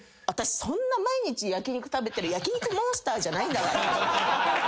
私そんな毎日焼き肉食べてる焼き肉モンスターじゃないんだから。